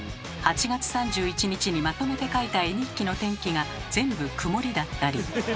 ８月３１日にまとめて書いた絵日記の天気が全部「くもり」だったり。